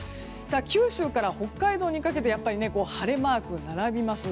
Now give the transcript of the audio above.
九州から北海道にかけて晴れマークが並びます。